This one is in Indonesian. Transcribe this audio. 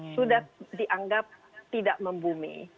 sudah dianggap tidak membumi